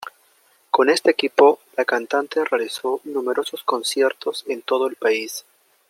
Con este equipo la cantante realizó numerosos conciertos en todo el país.